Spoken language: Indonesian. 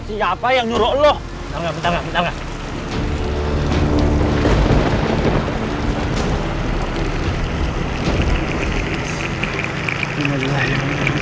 siapa yang nyuruh lo